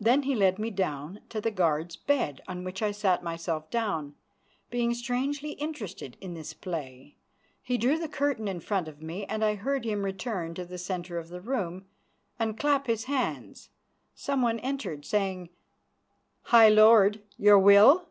Then he led me down to the guard's bed, on which I sat myself down, being strangely interested in this play. He drew the curtain in front of me, and I heard him return to the centre of the room and clap his hands. Someone entered, saying, "High Lord, your will?"